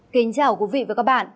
kính chào quý vị và các bạn